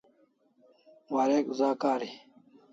Warek za kari